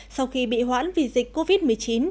sau khi bị hoãn vì dịch covid một mươi chín